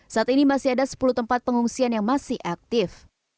saat ini masih ada sepuluh tempat pengungsian yang masih aktif